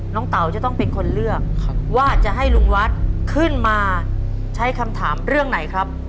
เต๋าจะต้องเป็นคนเลือกว่าจะให้ลุงวัดขึ้นมาใช้คำถามเรื่องไหนครับ